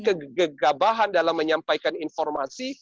kegagahan dalam menyampaikan informasi